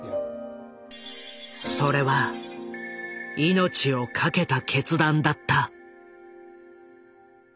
それは命を懸けた決断だった。